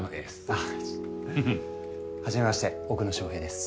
あはじめまして奥野昇平です。